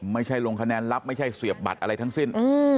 ไม่ใช่ลงคะแนนลับไม่ใช่เสียบบัตรอะไรทั้งสิ้น